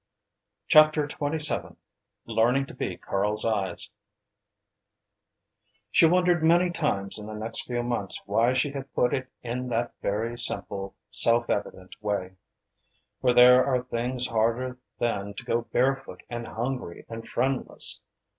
CHAPTER XXVII LEARNING TO BE KARL'S EYES She wondered many times in the next few months why she had put it in that very simple, self evident way. For there are things harder than to go barefoot and hungry and friendless.